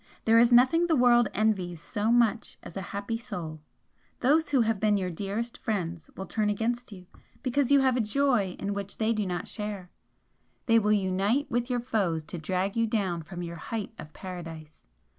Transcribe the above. There is nothing the world envies so much as a happy soul! Those who have been your dearest friends will turn against you because you have a joy in which they do not share, they will unite with your foes to drag you down from your height of Paradise.